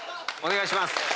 お願いします。